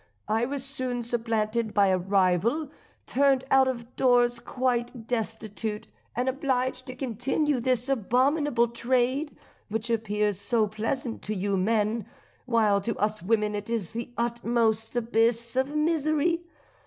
I was soon supplanted by a rival, turned out of doors quite destitute, and obliged to continue this abominable trade, which appears so pleasant to you men, while to us women it is the utmost abyss of misery.